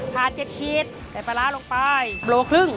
ผา๗ขีดใส่ปลาร้าลงไป๑๕โล